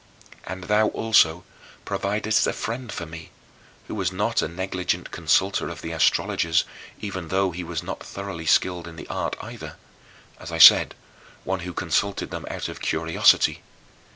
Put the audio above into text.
And thou also providedst a friend for me, who was not a negligent consulter of the astrologers even though he was not thoroughly skilled in the art either as I said, one who consulted them out of curiosity.